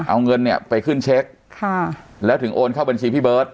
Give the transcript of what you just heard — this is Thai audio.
เอาเงินเนี่ยไปขึ้นเช็คค่ะแล้วถึงโอนเข้าบัญชีพี่เบิร์ต